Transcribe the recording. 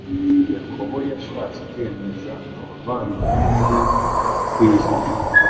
Yakobo yashatse kwemeza abavandimwe be mu kwizera